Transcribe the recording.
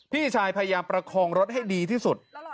พี่ชายพยายามประคองรถให้ดีที่สุด